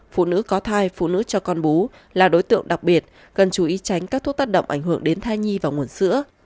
phụ nữ có thai phụ nữ cho con bú là đối tượng đặc biệt cần chú ý tránh các thuốc tác động ảnh hưởng đến thai nhi và nguồn sữa